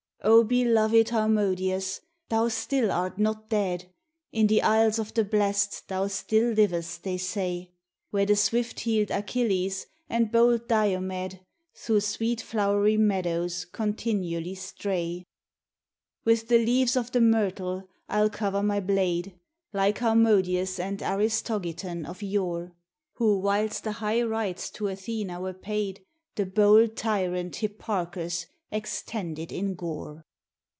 O, beloved Harmodius! thou still art not dead, In the Isles of the Blest thou still livest, they say; Where the swift heel'd Achilles and bold Diomed Through sweet flowery meadows continually stray. With the leaves of the myrtle I'll cover my blade, Like Harmodius and Aristogiton of yore; Who, whilst the high rites to Athena were paid, The bold tyrant Hipparchus extended in gore.